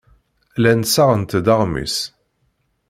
Llant ssaɣent-d aɣmis.